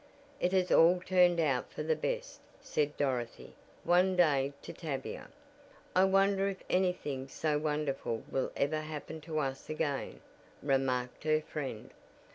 "It has all turned out for the best," said Dorothy, one day, to Tavia. "I wonder if anything so wonderful will ever happen to us again," remarked her friend.